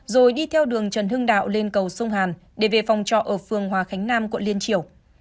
rồi đi theo đường trần hưng đạo lên cầu sông hàn để về phòng trọ ở phường hòa khánh nam quận liên triều